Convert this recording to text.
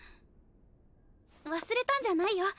忘れたんじゃないよ。